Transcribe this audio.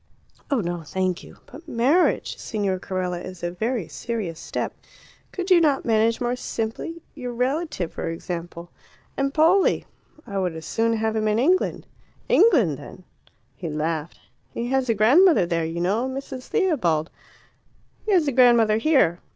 "Oh, no, thank you! But marriage, Signor Carella, is a very serious step. Could you not manage more simply? Your relative, for example " "Empoli! I would as soon have him in England!" "England, then " He laughed. "He has a grandmother there, you know Mrs. Theobald." "He has a grandmother here.